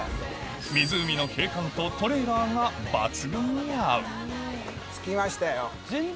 湖の景観とトレーラーが抜群に合う着きましたよ。